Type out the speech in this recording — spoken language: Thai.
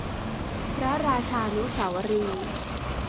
พระราชานุสาวรีย์